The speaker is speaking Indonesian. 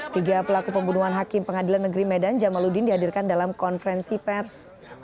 tiga pelaku pembunuhan hakim pengadilan negeri medan jamaludin dihadirkan dalam konferensi pers